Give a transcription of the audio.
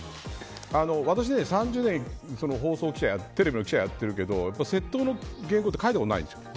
私は３０年、放送記者をやってるけど窃盗の原稿って書いたことがないんです。